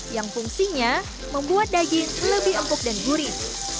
yang fungsinya membuat daging lebih empuk dan gurih